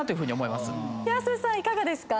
いかがですか？